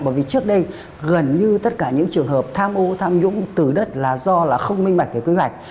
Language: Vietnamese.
bởi vì trước đây gần như tất cả những trường hợp tham ô tham dũng từ đất là do không minh mạch về quy hoạch